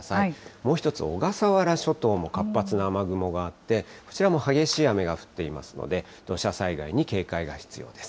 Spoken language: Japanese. もう一つ、小笠原諸島も活発な雨雲があって、こちらも激しい雨が降っていますので、土砂災害に警戒が必要です。